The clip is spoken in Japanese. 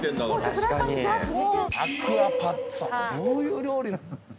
どういう料理なん？